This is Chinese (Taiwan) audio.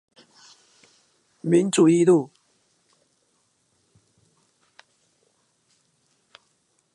民族一路